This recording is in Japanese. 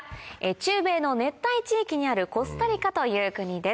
中米の熱帯地域にあるコスタリカという国です。